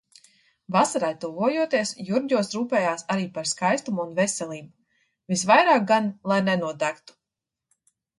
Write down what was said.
Vasarai tuvojoties, Jurģos rūpējas arī par skaistumu un veselību, visvairāk gan lai nenodegtu.